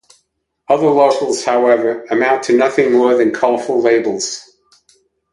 Other locals, however, amount to nothing more than colourful labels.